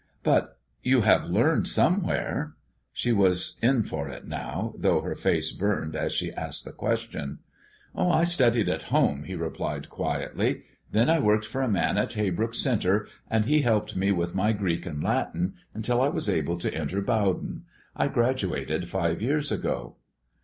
"But you have learned somewhere?" She was in for it now, though her face burned as she asked the question. "I studied at home," he replied quietly. "Then I worked for a man at Haybrook Center, and he helped me with my Greek and Latin until I was able to enter Bowdoin. I graduated five years ago."